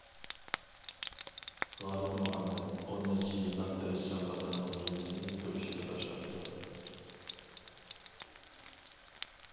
غالىب مۇھەممەت ئون نەچچە يىللىق تىرىشچانلىقىنىڭ مېۋىسىنى كۆرۈشكە باشلاپتۇ.